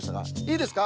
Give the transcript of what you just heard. いいですか？